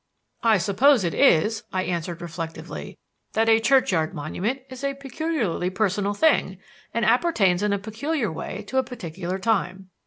"I suppose it is," I answered reflectively, "that a churchyard monument is a peculiarly personal thing and appertains in a peculiar way to a particular time.